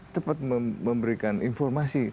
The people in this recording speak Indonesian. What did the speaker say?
cepat memberikan informasi